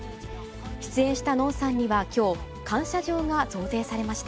出演したのんさんにはきょう、感謝状が贈呈されました。